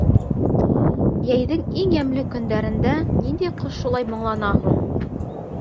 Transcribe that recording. Йәйҙең иң йәмле көндәрендә ниндәй ҡош шулай моңлана һуң?